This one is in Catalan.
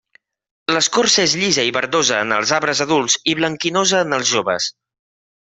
L'escorça és llisa i verdosa en els arbres adults i blanquinosa en els joves.